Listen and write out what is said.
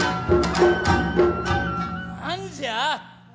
何じゃ。